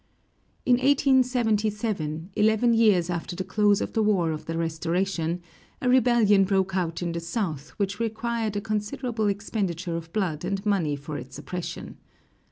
In 1877, eleven years after the close of the War of the Restoration, a rebellion broke out in the south which required a considerable expenditure of blood and money for its suppression.